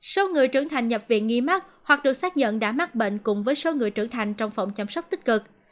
số người trưởng thành nhập viện nghi mắc hoặc được xác nhận đã mắc bệnh cùng với số người trưởng thành trong phòng chăm sóc tích cực